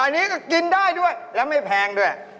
อันนี้ก็กินได้ด้วยแล้วไม่แพงด้วย